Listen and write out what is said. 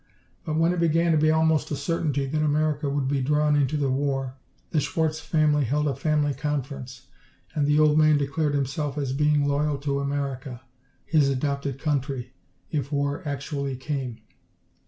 But when it began to be almost a certainty that America would be drawn into the war, the Schwarz family held a family conference and the old man declared himself as being loyal to America, his adopted country, if war actually came.